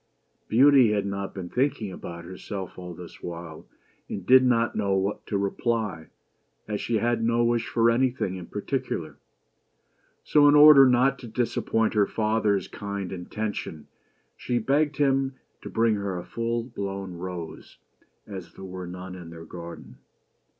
Beauty had not been thinking about herself all this while, and did not know what to reply, as she had no wish for anything in particular; so, in order not to disappoint her father's kind intention, she begged him to bring her a full blown rose, as there were none in their garden.